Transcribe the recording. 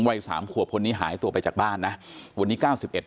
วัยสามขวบคนนี้หายตัวไปจากบ้านนะวันนี้เก้าสิบเอ็ด